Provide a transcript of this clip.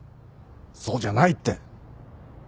そうじゃないって。